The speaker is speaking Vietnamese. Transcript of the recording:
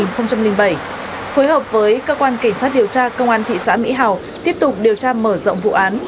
phối hợp với cơ quan cảnh sát điều tra công an thị xã mỹ hào tiếp tục điều tra mở rộng vụ án